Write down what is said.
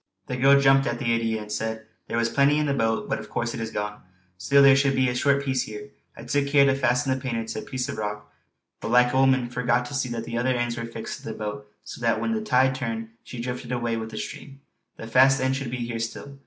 The girl jumped at the idea and said: "There was plenty in the boat, but of course it is gone. Still there should be a short piece here. I took care to fasten the painter to a piece of rock; but like a woman forgot to see that the other end was fixed to the boat, so that when the tide turned she drifted away with the stream. The fast end should be here still."